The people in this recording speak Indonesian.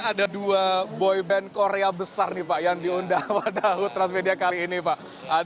ini kan ada dua boyband korea besar nih pak yang diundang pada hood transmedia kali ini pak